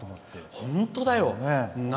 本当だよ。